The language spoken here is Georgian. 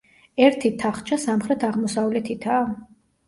ერთი თახჩა სამხრეთ-აღმოსავლეთითაა.